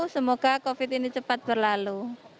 semoga covid ini cepat berlalu